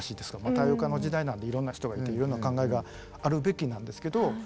多様化の時代なんでいろんな人がいていろんな考えがあるべきなんですけど。